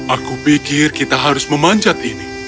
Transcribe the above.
aku pikir kita harus memanjat ini